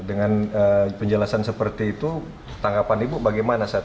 dengan penjelasan seperti itu tanggapan ibu bagaimana saat